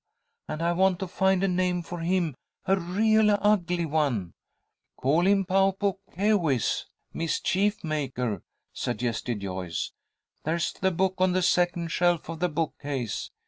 And I want to find a name for him, a real ugly one!" "Call him Pau Puk Keewis, mischief maker," suggested Joyce. "There's the book on the second shelf of the bookcase."